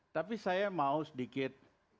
tapi saya mau sedikit